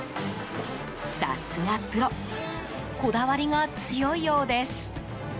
さすがプロこだわりが強いようです。